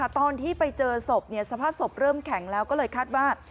ตอนที่ไปเจอศพสภาพศพเริ่มแข็งแล้วก็เลยคาดว่า